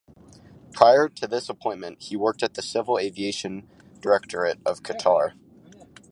Prior to this appointment, he worked at the Civil Aviation Directorate of Qatar.